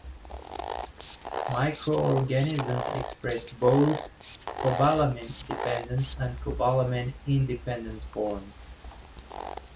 Microorganisms express both cobalamin-dependent and cobalamin-independent forms.